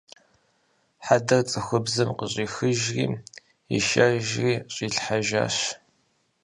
Хьэдэр цӀыхубзым къыщӀихыжри ишэжри щӀилъхьэжащ.